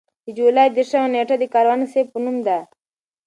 د جولای دېرشمه نېټه د کاروان صیب په نوم ده.